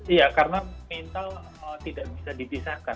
iya karena mental tidak bisa dipisahkan